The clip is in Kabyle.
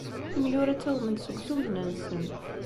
Imyura ttagmen-d seg usugen-nsen.